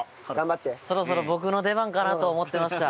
そろそろ僕の出番かなと思ってました。